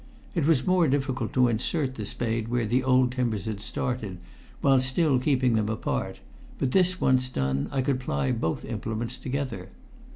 It was more difficult to insert the spade where the old timbers had started, while still keeping them apart, but this once done I could ply both implements together.